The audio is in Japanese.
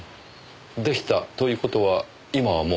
「でした」という事は今はもう？